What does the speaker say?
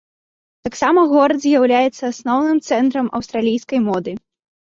Таксама горад з'яўляецца асноўным цэнтрам аўстралійскай моды.